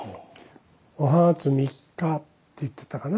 「お初三日」って言ってたかな。